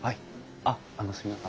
あっあのすいません